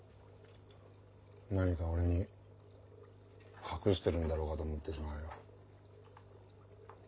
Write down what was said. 何か俺に隠してるんだろうかと思ってしまうよ。